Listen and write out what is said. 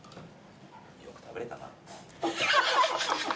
よく食べれたな。